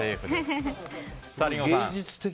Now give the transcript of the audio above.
さあ、リンゴさん。